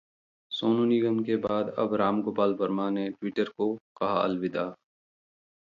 सोनू निगम के बाद अब राम गोपाल वर्मा ने ट्विटर को कहा अलविदा